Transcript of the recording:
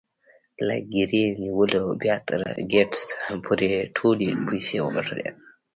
له ګيري نيولې بيا تر ګيټس پورې ټولو پيسې وګټلې.